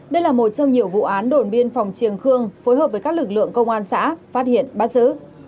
đây là một trong nhiều vụ án đồn biên phòng triềng khương phối hợp với các lực lượng công an xã phát hiện bắt giữ